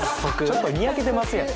ちょっとニヤけてますやん。